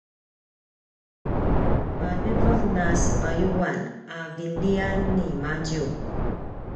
“maljeveq na sepayuan” a vinlian nimadju